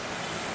betul tuh bang